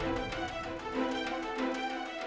kalau audiobook selain berkata